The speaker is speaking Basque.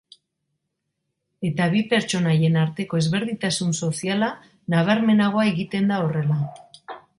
Eta bi pertsonaien arteko ezberdintasun soziala nabarmenagoa egiten da horrela.